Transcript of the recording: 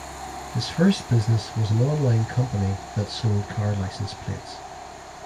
His first business was an online company that sold car license plates.